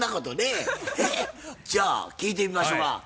じゃあ聞いてみましょか。